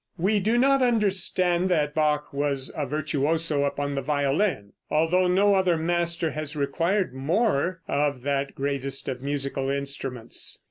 We do not understand that Bach was a virtuoso upon the violin, although no other master has required more of that greatest of musical instruments.